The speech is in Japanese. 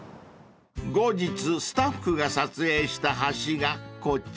［後日スタッフが撮影した橋がこちら］